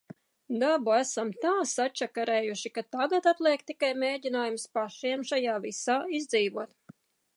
Dabu esam tā sačakarējuši, ka tagad atliek tikai mēģinājums pašiem šajā visā izdzīvot.